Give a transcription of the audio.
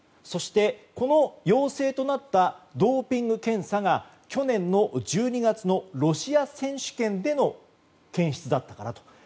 そして、この陽性となったドーピング検査が去年１２月のロシア選手権での検出だったからと。